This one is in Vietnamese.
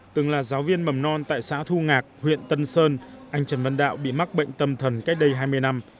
từng là giáo viên mầm non tại xã thu ngạc huyện tân sơn anh trần văn đạo bị mắc bệnh tâm thần cách đây hai mươi năm